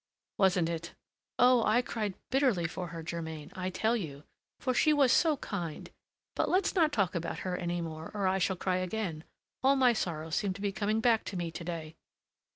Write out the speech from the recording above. "Wasn't it?" "Oh! I cried bitterly for her, Germain, I tell you! for she was so kind! But let's not talk about her any more or I shall cry again; all my sorrows seem to be coming back to me to day."